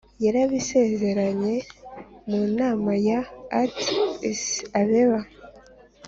yarabisezeranye mu nama ya addis-abeba.